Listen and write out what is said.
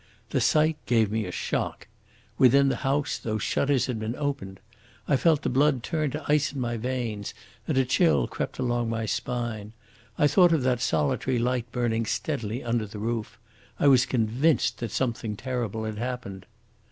The sight gave me a shock. Within the house those shutters had been opened. I felt the blood turn to ice in my veins and a chill crept along my spine. I thought of that solitary light burning steadily under the roof. I was convinced that something terrible had happened."